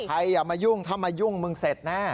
อย่ามายุ่งถ้ามายุ่งมึงเสร็จแน่